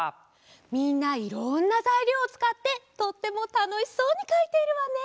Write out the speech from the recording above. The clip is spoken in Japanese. みんないろんなざいりょうをつかってとってもたのしそうにかいているわね。